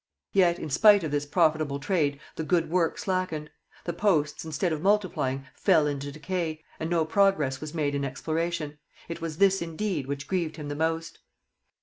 Yet [in spite of this profitable trade the good work slackened]; the posts, instead of multiplying, fell into decay, and no progress was made in exploration; it was this, indeed, which grieved him the most.